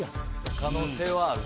可能性はあると。